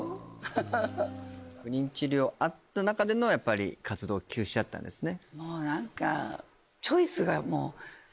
ハハハッ不妊治療あった中でのやっぱり活動休止だったんですね